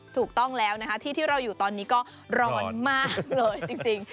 ถูกต้องแล้วนะคะที่ที่เราอยู่ตอนนี้ก็ร้อนมากเลยจริง